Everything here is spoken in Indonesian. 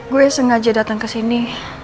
gue sengaja datang ke sini